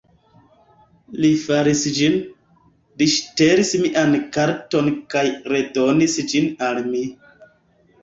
Li faris ĝin, li ŝtelis mian karton kaj redonis ĝin al mi